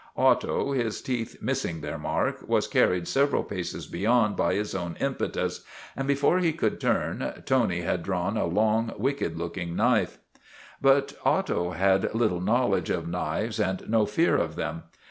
Otto, his teeth missing their mark, was carried several paces beyond by his own impetus, and before he could turn Tony had drawn a long, wicked looking knife. But Otto had little knowledge of knives and no fear of them.